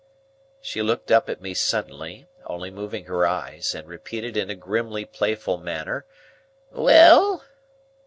She looked up at me suddenly, only moving her eyes, and repeated in a grimly playful manner,— "Well?"